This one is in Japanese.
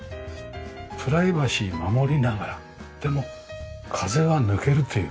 プライバシーを守りながらでも風は抜けるという感じがしますよ。